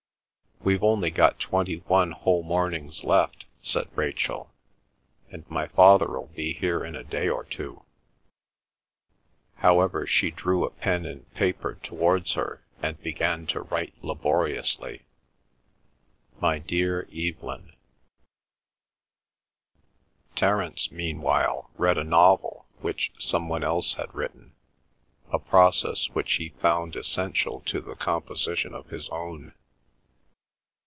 "We've only got twenty one whole mornings left," said Rachel. "And my father'll be here in a day or two." However, she drew a pen and paper towards her and began to write laboriously, "My dear Evelyn—" Terence, meanwhile, read a novel which some one else had written, a process which he found essential to the composition of his own.